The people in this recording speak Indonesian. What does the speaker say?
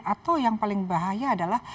atau yang paling bahaya adalah